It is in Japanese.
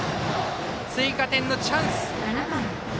追加点のチャンス。